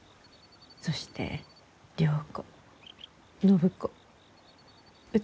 そして良子暢子歌子。